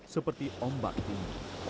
seperti ombak ini